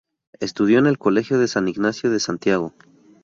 Estudió en el Colegio San Ignacio de Santiago.